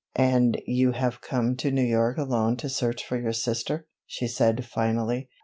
"And you have come to New York alone to search for your sister," she said finally.